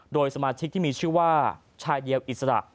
โดยสมาชิกที่มีชื่อว่าชายเดียวอิสระ